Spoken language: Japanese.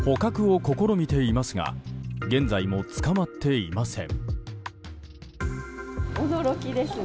捕獲を試みていますが現在も捕まっていません。